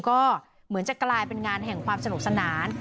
ก็เหมือนจะกลายเป็นงานแห่งความสนุกสนาน